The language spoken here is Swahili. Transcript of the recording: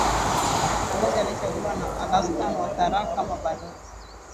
balozi aliyechaguliwa na alastan watarak kama balozi